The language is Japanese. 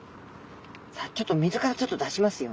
さあちょっと水から出しますよ。